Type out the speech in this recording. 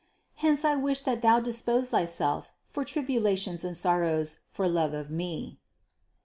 Hence I wish that thou dispose thyself for tribulations and sor rows for love of Me."